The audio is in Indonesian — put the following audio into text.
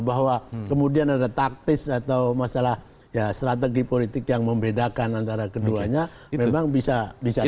bahwa kemudian ada taktis atau masalah ya strategi politik yang membedakan antara keduanya memang bisa